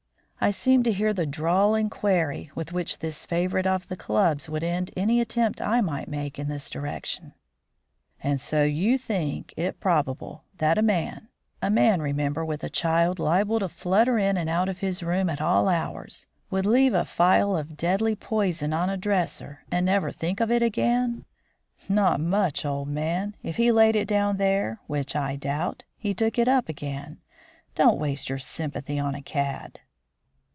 I seemed to hear the drawling query with which this favourite of the clubs would end any attempt I might make in this direction: "And so you think it probable that a man a man, remember, with a child liable to flutter in and out of his room at all hours would leave a phial of deadly poison on his dresser and never think of it again? Not much, old man. If he laid it down there, which I doubt, he took it up again. Don't waste your sympathy on a cad."